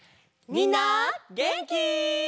みんなげんき？